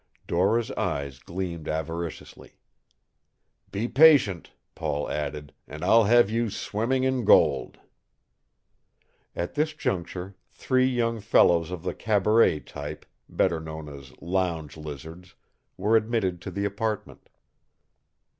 Dora's eyes gleamed avariciously. "Be patient," Paul added, "and I'll have you swimming in gold." At this juncture three young fellows of the cabaret type, better known as "lounge lizards," were admitted to the apartment.